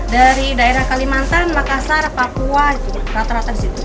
dari daerah kalimantan makassar papua rata rata di situ